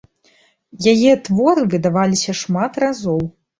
Яе творы выдаваліся шмат разоў.